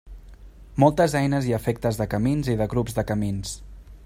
Moltes eines i efectes de camins i de grups de camins.